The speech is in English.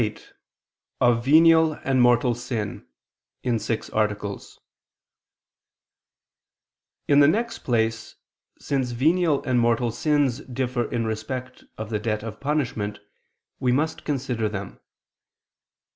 ________________________ QUESTION 88 OF VENIAL AND MORTAL SIN (In Six Articles) In the next place, since venial and mortal sins differ in respect of the debt of punishment, we must consider them.